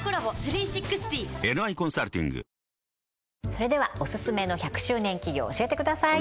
それではオススメの１００周年企業教えてください